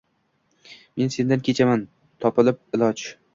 Men sendan kechaman topilib iloj